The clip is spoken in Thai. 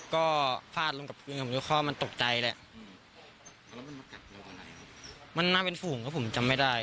ก็ฝาดรวมกับพื้นที่ผมดูข้อมันตกใจแหละมันน่าเป็นฝูงก็ผมจำไม่ได้